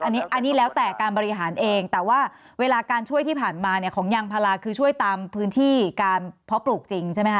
อันนี้แล้วแต่การบริหารเองแต่ว่าเวลาการช่วยที่ผ่านมาเนี่ยของยางพาราคือช่วยตามพื้นที่การเพาะปลูกจริงใช่ไหมค